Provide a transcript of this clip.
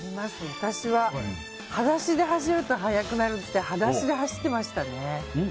私は裸足で走ると速くなるって裸足で走ってましたね。